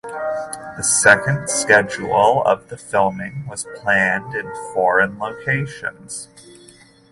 The second schedule of the filming was planned in foreign locations.